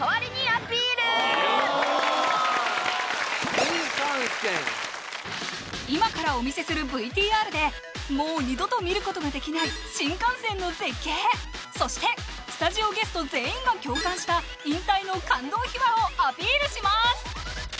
こちら新幹線今からお見せするＶＴＲでもう二度と見ることができない新幹線の絶景そしてスタジオゲスト全員が共感した引退の感動秘話をアピールします